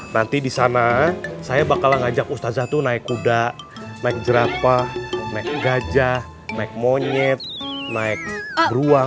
nanti disana saya bakalan ngajak ustazah tuh naik kuda naik jerapa naik gajah naik monyet naik geruang